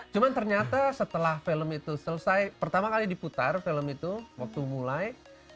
cuma ternyata setelah film itu selesai pertama kali diputar film itu waktu mulai